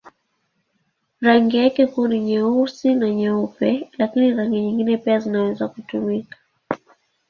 Rangi yake kuu ni nyeusi na nyeupe, lakini rangi nyingine pia zinaweza kutumika.